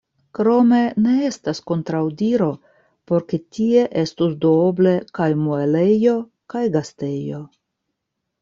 Krome ne estas kontraŭdiro por ke tie estus duoble kaj muelejo kaj gastejo.